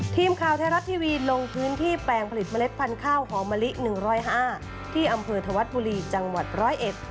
ทีมข่าวไทยรัฐทีวีลงพื้นที่แปลงผลิตเมล็ดพันธุ์ข้าวหอมะลิ๑๐๕ที่อำเภอธวัดบุรีจังหวัดร้อยเอ็ด